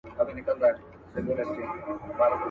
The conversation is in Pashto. لا به مي څونه ژړوي د عمر توري ورځي.